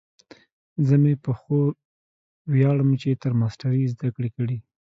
زه مې په خور ویاړم چې تر ماسټرۍ یې زده کړې کړي